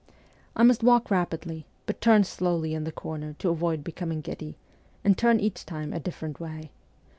I must walk rapidly, but turn slowly in the corner to avoid becoming giddy, and turn each time a different way.